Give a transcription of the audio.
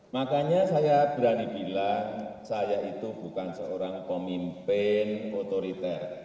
makanya saya berani bilang saya itu bukan seorang pemimpin otoriter